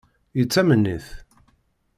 Yettamen-it?